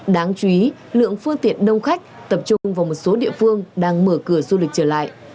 đáng chú ý lượng phương tiện đông khách tập trung vào một số địa phương đang mở cửa du lịch trở lại